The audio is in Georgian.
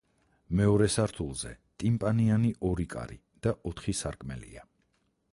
მეორე სართულზე, ტიმპანიანი ორი კარი და ოთხი სარკმელია.